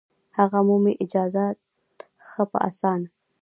هغه مومي اجازت ښه په اسانه